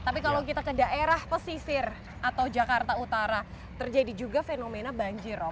tapi kalau kita ke daerah pesisir atau jakarta utara terjadi juga fenomena banjir